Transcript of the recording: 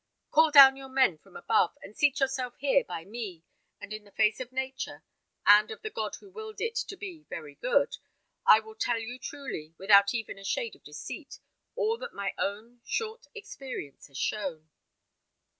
Call down your men from above, and seat yourself here by me, and in the face of nature, and of the God who willed it to be 'very good,' I will tell you truly, without even a shade of deceit, all that my own short experience has shown."